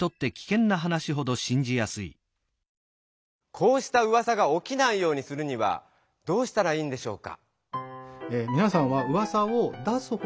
こうしたうわさがおきないようにするにはどうしたらいいんでしょうか？